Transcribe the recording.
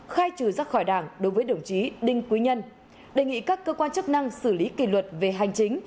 khai trừ rắc khỏi đảng đối với đồng chí đinh quý nhân đề nghị các cơ quan chức năng xử lý kỳ luật về hành chính